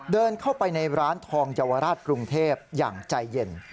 เดินเข้าไปในร้านทองเยาวราชกรุงเทพอย่างใจเย็น